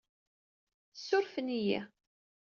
Ssurfen-iyi.